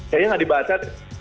kayaknya gak dibaca